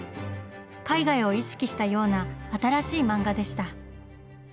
海外を意識したような新しい漫画でした。